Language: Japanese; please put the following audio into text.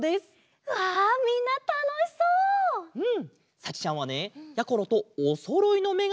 さちちゃんはねやころとおそろいのめがねをかけてるんだって！